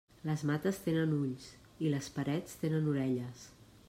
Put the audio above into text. Les mates tenen ulls, i les parets tenen orelles.